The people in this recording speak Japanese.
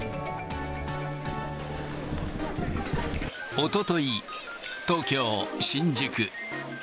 おととい、東京・新宿。